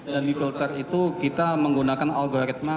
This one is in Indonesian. dan di filter itu kita menggunakan algoritma